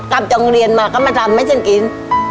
กลับจังเรียนมาก็มาทำไม่เช่นกิน